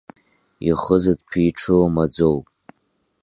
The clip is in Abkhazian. Ихы зыдԥиҽыло маӡоуп.